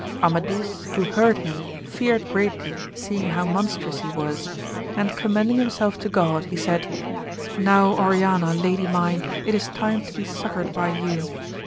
Amadis who heard him feared greatly seeing how monstrous he was, and commending him self to God, he said. Now Oriana lady mine, it is time to be succoured by you